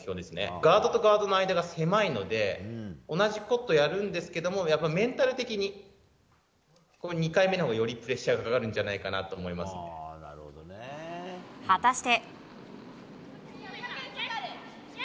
ガードとガードの間が狭いので同じことをやるんですけどメンタル的に２回目のほうがよりプレッシャーがかかると果たして。